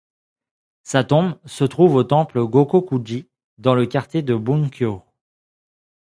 Sa tombe se trouve au temple Gokoku-ji dans le quartier de Bunkyō.